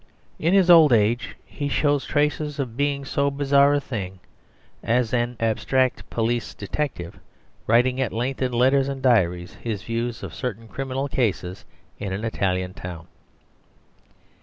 In his old age, he shows traces of being so bizarre a thing as an abstract police detective, writing at length in letters and diaries his views of certain criminal cases in an Italian town.